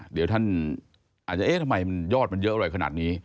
เดี๋ยวท่านอาจจะเอ๊ะทำไมยอดมันเยอะอะไรขนาดนี้